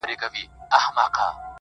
سم د قصاب د قصابۍ غوندي.